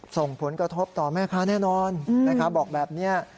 ส่งผลกระทบต่อแม่ค้าแน่นอนนะครับบอกแบบนี้